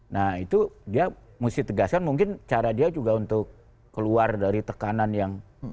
nah itu dia mesti tegaskan mungkin cara dia juga untuk keluar dari tekanan yang